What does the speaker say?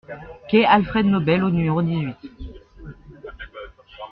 Quai Alfred Nobel au numéro dix-huit